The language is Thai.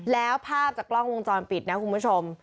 แล้วภาพจากกล้องวงจรปิดนะคุณผู้ชม